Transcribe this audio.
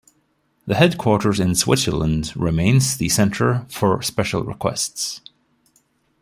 The headquarters in Switzerland remains the center for special requests.